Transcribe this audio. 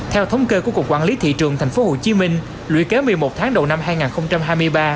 theo thống kê của cục quản lý thị trường tp hcm luy kế một mươi một tháng đầu năm hai nghìn hai mươi ba